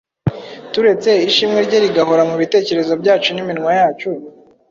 turetse ishimwe rye rigahora mu bitekrezo byacu n’iminwa yacu